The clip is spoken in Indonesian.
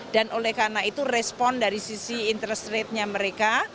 dan oleh karena itu respon dari sisi interest rate nya mereka